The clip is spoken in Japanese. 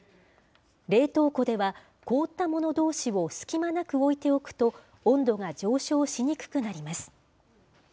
冷凍庫では、凍ったものどうしを隙間なく置いておくと、温度が上昇しにくくなります。